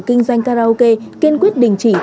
kinh doanh karaoke kiên quyết đình chỉ